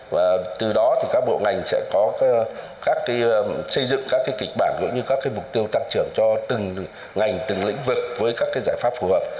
và từ đó các bộ ngành sẽ xây dựng các kịch bản gọi như các mục tiêu tăng trưởng cho từng ngành từng lĩnh vực với các giải pháp phù hợp